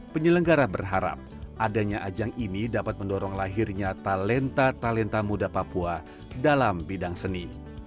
penyelenggara berharap adanya ajang ini dapat mendorong lahirnya talenta talenta muda papua dalam bidang seni